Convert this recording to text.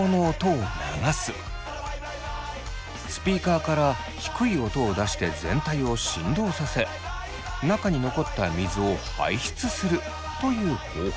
スピーカーから低い音を出して全体を振動させ中に残った水を排出するという方法。